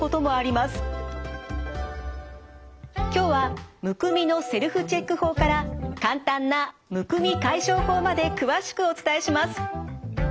今日はむくみのセルフチェック法から簡単なむくみ解消法まで詳しくお伝えします。